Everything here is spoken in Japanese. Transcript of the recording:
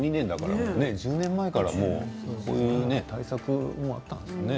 １０年前から対策はあったんですね。